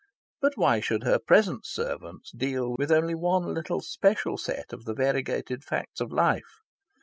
But why should her present servants deal with only one little special set of the variegated facts of life?